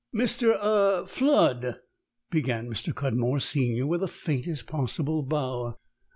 "Mr. ah Flood?" began Mr. Cudmore senior, with the faintest possible bow.